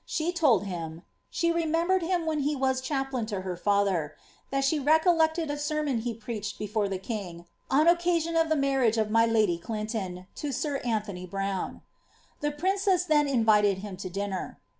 She told him ^she fememberad him when he wai diaplain to her bther ; that she recollected a aermon he picacfaed beCm the king, on occasion of the marriage of my lady CUnton' to air ii^ tony Browne." The princess then invited him to dinner.